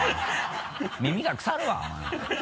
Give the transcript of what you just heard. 耳が腐るわお前。